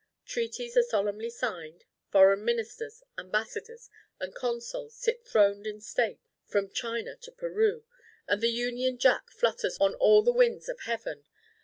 Treaties are solemnly signed, foreign ministers, ambassadors, and consuls sit throned in state from China to Peru, and the Union Jack flutters on all the winds of heaven.